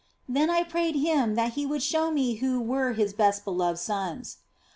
Then I prayed Him that He would show me who were OF FOLIGNO 241 His best beloved sons.